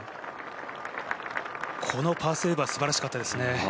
このパーセーブはすばらしかったですね。